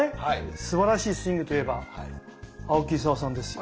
すばらしいスイングといえば青木功さんですよ。